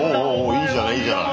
いいじゃないいいじゃない。